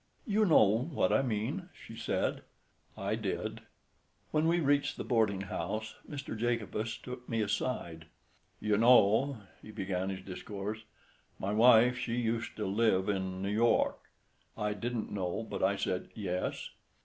"You know what I mean," she said. I did. When we reached the boarding house, Mr. Jacobus took me aside. "You know," he began his discourse, "my wife she uset to live in N' York!" I didn't know, but I said "Yes."